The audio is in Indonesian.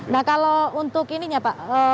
nah kalau untuk ini ya pak